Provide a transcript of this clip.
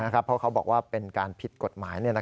เพราะเขาบอกว่าเป็นการผิดกฎหมาย